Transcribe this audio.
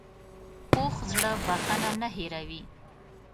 پوخ زړه بښنه نه هېروي